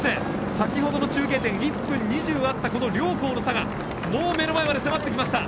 先ほどの中継点１分２０あった両校の差が目の前まで迫ってきました。